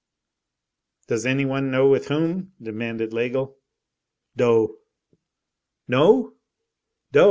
"Does any one know with whom?" demanded Laigle. "Do." "No?" "Do!